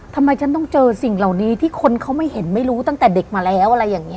ทำไมฉันต้องเจอสิ่งเหล่านี้ที่คนเขาไม่เห็นไม่รู้ตั้งแต่เด็กมาแล้วอะไรอย่างนี้